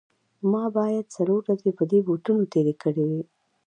ما باید څلور ورځې په دې بوټو تیرې کړې وي